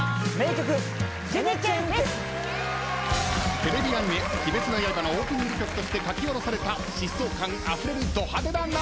テレビアニメ『鬼滅の刃』のオープニング曲として書き下ろされた疾走感あふれるど派手なナンバー！